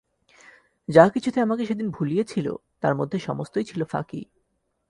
যা-কিছুতে আমাকে সেদিন ভুলিয়েছিল তার মধ্যে সমস্তই ছিল ফাঁকি।